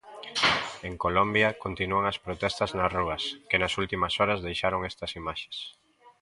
En Colombia continúan as protestas nas rúas, que nas últimas horas deixaron estas imaxes.